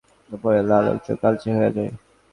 পুরোনো হতে হতে সেই খাতার ওপরের লাল অংশ কালচে হয়ে যায়।